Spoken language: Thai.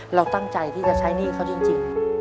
เราตั้งใจที่จะใช้หนี้เขาจริง